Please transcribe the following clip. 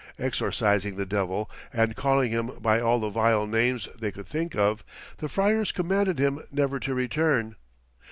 Exorcising the Devil and calling him by all the vile names they could think of, the friars commanded him never to return.